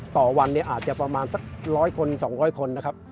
ต่อวันอาจประมาณสัก๑๐๐๒๐๐คนนะครับ